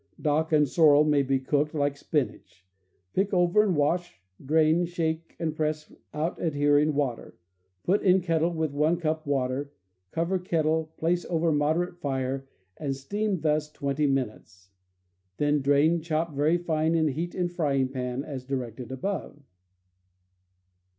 Dock and sorrel may be cooked like spinach: pick over and wash, drain, shake and press out adhering water; put in kettle with one cup water, cover kettle, place over moderate fire, and steam thus twenty min utes; then drain, chop very fine, and heat in frying pan as directed above.